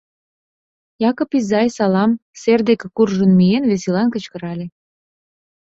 — Якып изай, салам! — сер деке куржын миен, веселан кычкырале.